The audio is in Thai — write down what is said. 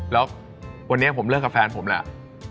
แล้ววันนี้ผมเลิกกับแฟนผมแหละ